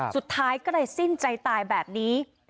สุดท้ายก็เลยสิ้นใจตายแบบนี้